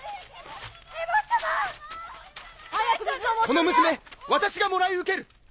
この娘私がもらい受ける！